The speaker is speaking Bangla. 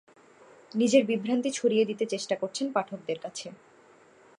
নিজের বিভ্রান্তি ছড়িয়ে দিতে চেষ্টা করছেন পাঠকদের কাছে।